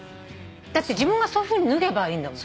だって自分がそういうふうに脱げばいいんだもん。